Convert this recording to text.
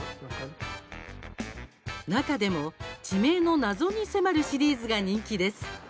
中でも、地名の謎に迫るシリーズが人気です。